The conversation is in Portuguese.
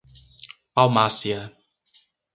Palmácia